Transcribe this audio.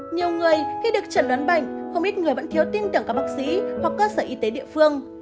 nhiều người khi được chẩn đoán bệnh không ít người vẫn thiếu tin tưởng các bác sĩ hoặc cơ sở y tế địa phương